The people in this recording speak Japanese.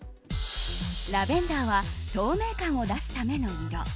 ラベンダーは透明感を出すための色。